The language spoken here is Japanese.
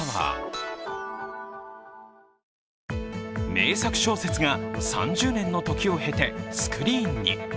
名作小説が３０年の時を経てスクリーンに。